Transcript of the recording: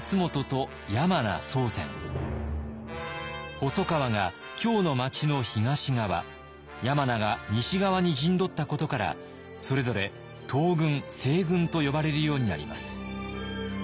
細川が京の街の東側山名が西側に陣取ったことからそれぞれ「東軍」「西軍」と呼ばれるようになります。